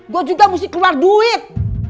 gue juga mesti keluar duit